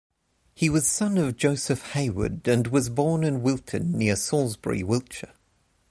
He was son of Joseph Hayward, and was born in Wilton, near Salisbury, Wiltshire.